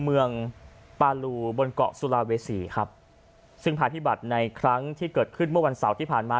เมืองปาลูบนเกาะสุราเวษีครับซึ่งพาพิบัติในครั้งที่เกิดขึ้นเมื่อวันเสาร์ที่ผ่านมา